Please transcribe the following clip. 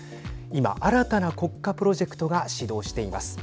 今、新たな国家プロジェクトが始動しています。